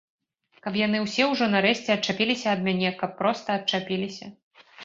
Каб яны ўсе ўжо нарэшце адчапіліся ад мяне, каб проста адчапіліся!